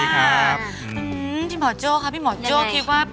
หืืมพี่หมอจโต่ค่ะพี่หมอจโต่คิดว่า